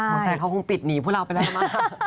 หวังใจเขาคงปิดหนีพวกเราไปแล้วนะครับ